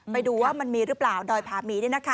ไปดูว่ามันมีหรือเปล่าดอยผามี